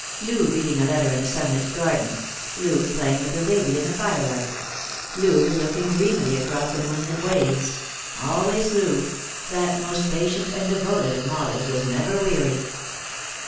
Loo reading a letter in a sunlit garden ; Loo playing with her baby in the firelight ; Loo looking dreamily across the moonlit waves ; always Loo; that most patient and devoted of models was never weary.